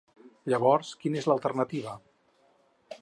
Llavors quina es la alternativa?